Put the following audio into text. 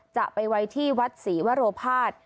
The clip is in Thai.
จะไปไว้ที่วัดศรีวโรภาษ